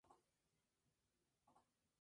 Pertenece al grupo de Cheung Kong.